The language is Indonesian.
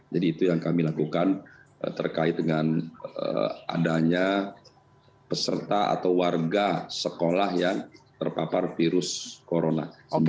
jadi itu yang kami lakukan terkait dengan adanya peserta atau warga sekolah yang terpapar virus corona sembilan belas